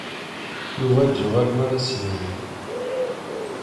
Yuba ad d-yuɣal mi arq as-yehwu.